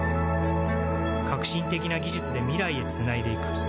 革新的な技術で未来へつないでいく